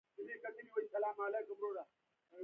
د افریقا جنوبي صحرا هېوادونو په څېر بېوزله نه و.